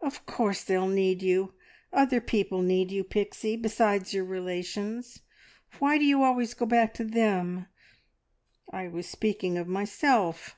"Of course they'll need you. Other people need you, Pixie, besides your relations. Why do you always go back to them? I was speaking of myself.